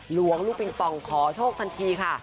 หลวงลูกปิงปองขอโชคทันทีค่ะ